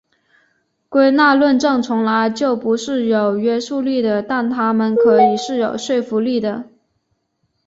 归纳论证从来就不是有约束力的但它们可以是有说服力的。